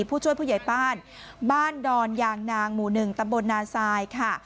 ผู้ช่วยผู้ใหญ่บ้านบ้านดอนยางนางหมู่๑ตำบลนาซายค่ะ